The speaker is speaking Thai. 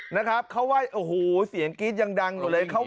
นะครับ